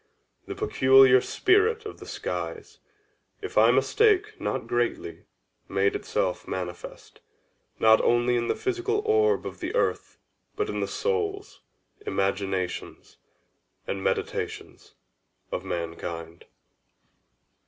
The peculiar spirit of the skies, if I mistake not greatly, made itself manifest, not only in the physical orb of the earth, but in the souls, imaginations, and meditations of mankind.